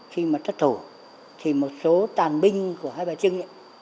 khi mà thất thổ thì một số tàn binh của hai bà trưng ấy